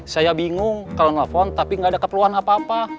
saya bingung kalau ngelafon tapi nggak ada keperluan apa apa